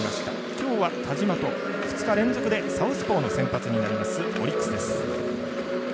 今日は田嶋と２日連続でサウスポーの先発になりますオリックスです。